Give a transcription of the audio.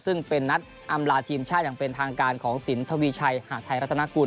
ซึ่งเป็นนัดอำลาทีมชาติอย่างเป็นทางการของสินทวีชัยหาดไทยรัฐนากุล